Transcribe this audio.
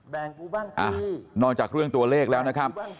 แบ่งกูบ้างสินอกจากเรื่องตัวเลขแล้วนะครับ